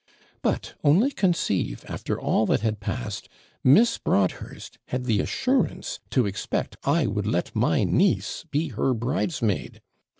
But only conceive, after all that had passed, Miss Broadhurst had the assurance to expect I would let my niece be her bridesmaid.